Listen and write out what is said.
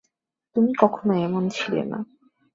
তুমি কখনও এমন ছিলে না।